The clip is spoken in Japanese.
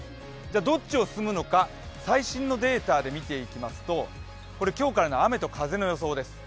どっちを進むのか、最新のデータで見ていきますとこれ今日からの雨と風の予想です。